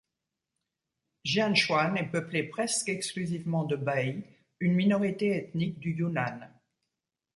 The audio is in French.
Jianchuan est peuplé presque exclusivement de Bai, une minorité ethnique du Yunnan.